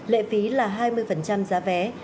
lệ phí là hai mươi giá vé